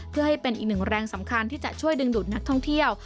เพื่อให้เป็นอีกหนึ่งแรงสำคัญที่จะช่วยดึงดูดนักท่องเที่ยว